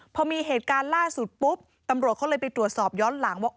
พอมีเหตุการณ์ล่าสุดปุ๊บตำรวจเขาเลยไปตรวจสอบย้อนหลังว่า